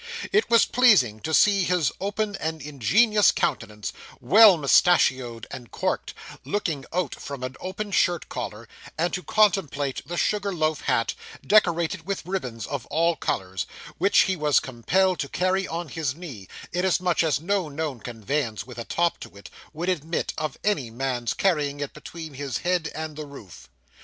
It was pleasing to see his open and ingenuous countenance, well mustachioed and corked, looking out from an open shirt collar; and to contemplate the sugar loaf hat, decorated with ribbons of all colours, which he was compelled to carry on his knee, inasmuch as no known conveyance with a top to it, would admit of any man's carrying it between his head and the roof.